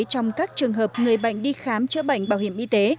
trong các trường hợp người bệnh đi khám chữa bệnh bảo hiểm y tế